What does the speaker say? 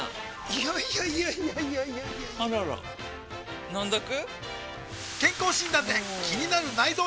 いやいやいやいやあらら飲んどく？